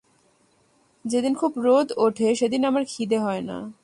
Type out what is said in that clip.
যেদিন খুব রোদ ওঠে, সেদিন আমার খিদে হয় না।